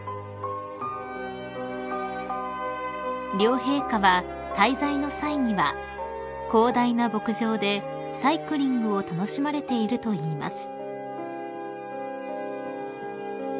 ［両陛下は滞在の際には広大な牧場でサイクリングを楽しまれているといいます］